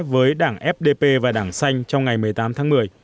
với đảng fdp và đảng xanh trong ngày một mươi tám tháng một mươi